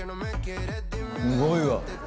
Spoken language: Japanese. すごいわ！